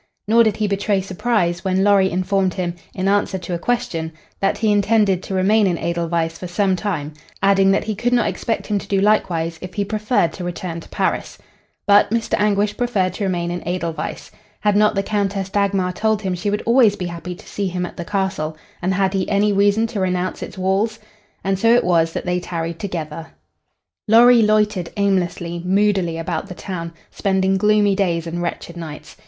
Nor did he betray surprise when Lorry informed him, in answer to a question, that he intended to remain in Edelweiss for some time, adding that he could not expect him to do likewise if he preferred to return to Paris. But Mr. Anguish preferred to remain in Edelweiss. Had not the Countess Dagmar told him she would always be happy to see him at the castle, and had he any reason to renounce its walls? And so it was that they tarried together. Lorry loitered aimlessly, moodily about the town, spending gloomy days and wretched nights.